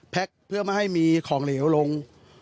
เพื่อไม่ให้มีของเหลวลง